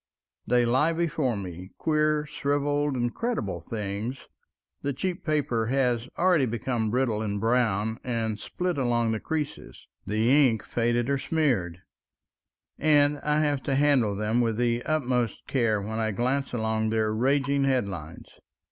They lie before me—queer, shriveled, incredible things; the cheap paper has already become brittle and brown and split along the creases, the ink faded or smeared, and I have to handle them with the utmost care when I glance among their raging headlines.